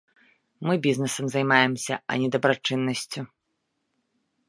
Мы бізнэсам займаемся, а не дабрачыннасцю.